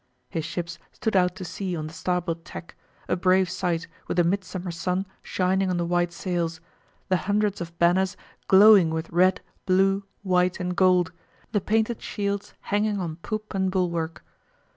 His ships stood out to sea on the starboard tack, a brave sight with the midsummer sun shining on the white sails, the hundreds of banners glowing with red, blue, white, and gold, the painted shields hanging on poop and bulwark.